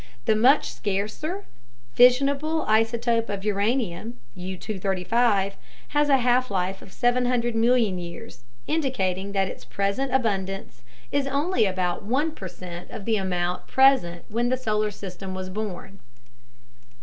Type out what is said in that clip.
The much scarcer, fissionable isotope of uranium, U 235, has a half life of 700 million years, indicating that its present abundance is only about 1 percent of the amount present when the solar system was born.